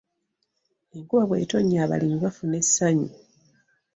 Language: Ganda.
Enkuba bw'etonnya abalimi bafuna essanyu.